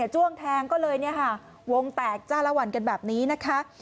จ้วงแทงก็เลยวงแตกจ้าละวันกันแบบนี้นะคะ